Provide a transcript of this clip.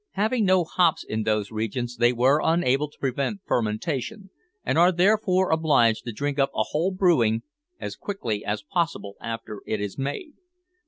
Having no hops in those regions, they are unable to prevent fermentation, and are therefore obliged to drink up a whole brewing as quickly as possible after it is made.